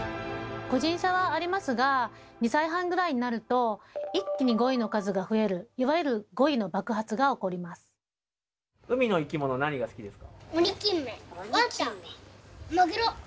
個人差はありますが２歳半ぐらいになると一気に語彙の数が増えるいわゆる「語彙の爆発」が起こります。